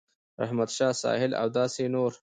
رحمت شاه ساحل او داسې نور